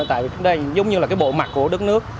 tại đây giống như là cái bộ mặt của đất nước